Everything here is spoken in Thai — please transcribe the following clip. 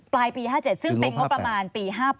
ปลายปี๕๗ซึ่งเป็นงบประมาณปี๕๘